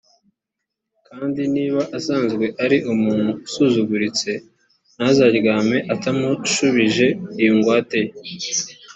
kandi niba asanzwe ari umuntu usuzuguritse, ntuzaryame utamushubije iyo ngwate ye.